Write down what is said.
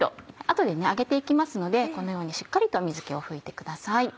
後で揚げて行きますのでこのようにしっかりと水気を拭いてください。